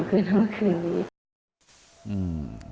มาคืนวันที่๒๒